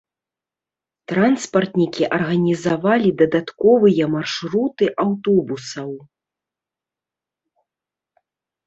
Транспартнікі арганізавалі дадатковыя маршруты аўтобусаў.